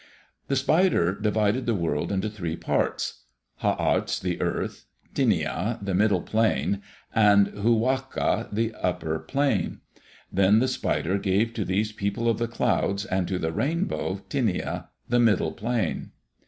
The spider divided the world into three parts: Ha arts, the earth; Tinia, the middle plain; and Hu wa ka, the upper plain. Then the spider gave to these People of the Clouds and to the rainbow, Tinia, the middle plain.